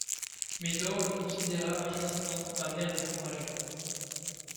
Médor le considéra un instant d'un air découragé.